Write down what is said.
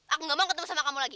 aku gak mau ketemu sama kamu lagi